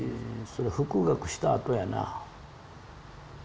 それ復学したあとやな。